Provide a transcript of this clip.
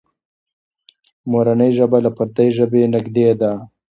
مورنۍ ژبه له پردۍ ژبې نږدې ده.